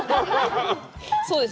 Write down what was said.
そうです。